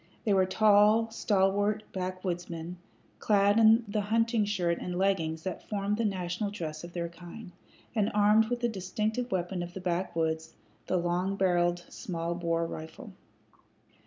They were tall, stalwart backwoodsmen, clad in the hunting shirt and leggings that formed the national dress of their kind, and armed with the distinctive weapon of the backwoods, the long barreled, small bore rifle.